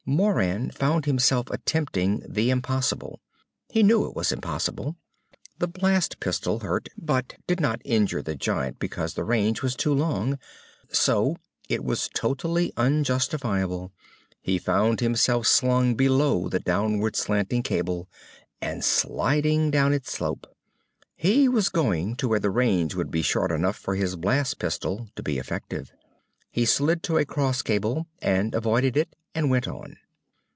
Moran found himself attempting the impossible. He knew it was impossible. The blast pistol hurt but did not injure the giant because the range was too long. So it was totally unjustifiable he found himself slung below the downward slanting cable and sliding down its slope. He was going to where the range would be short enough for his blast pistol to be effective. He slid to a cross cable, and avoided it and went on.